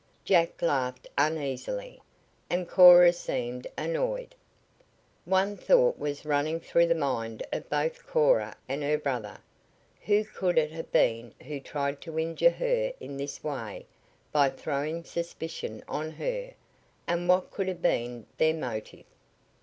Jack laughed uneasily, and Cora seemed annoyed. One thought was running through the mind of both Cora and her brother. Who could it have been who tried to injure her in this way by throwing suspicion on her, and what could have been their motive?